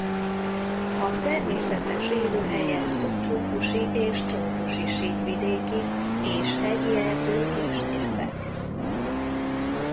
A természetes élőhelye szubtrópusi és trópusi síkvidéki és hegyi erdők és gyepek.